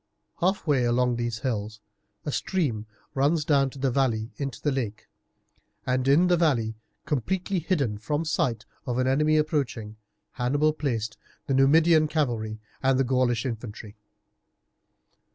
Half way along these hills a stream runs down a valley into the lake, and in the valley, completely hidden from the sight of an enemy approaching, Hannibal placed the Numidian cavalry and the Gaulish infantry.